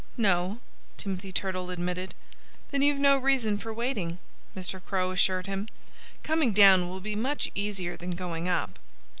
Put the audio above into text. "No," Timothy Turtle admitted. "Then you've no reason for waiting," Mr. Crow assured him. "Coming down will be much easier than going up."